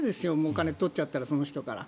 お金を取っちゃったらその人から。